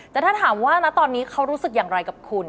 แต่ถ้าถามว่านะตอนนี้เขารู้สึกอย่างไรกับคุณ